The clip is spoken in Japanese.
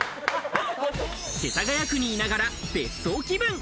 世田谷区にいながら別荘気分。